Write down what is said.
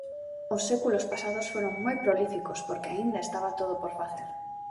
Os séculos pasados foron moi prolíficos porque aínda estaba todo por facer.